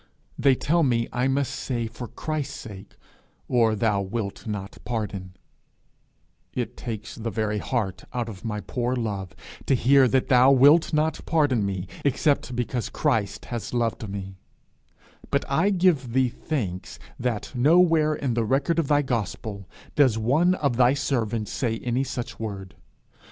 They tell me I must say for Christ's sake, or thou wilt not pardon: it takes the very heart out of my poor love to hear that thou wilt not pardon me except because Christ has loved me; but I give thee thanks that nowhere in the record of thy gospel, does one of thy servants say any such word.